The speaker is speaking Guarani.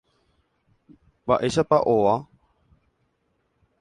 Mba'éichapa ova.